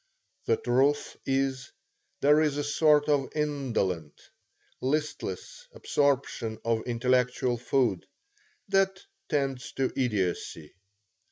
The truth is, there is a sort of indolent, listless absorption of intellectual food, that tends to idiocy.